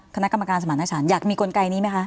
คณะกรรมการสมารณชันอยากมีกลไกนี้ไหมคะ